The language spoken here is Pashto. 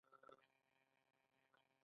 حکومت په زیربناوو پانګونه کوي.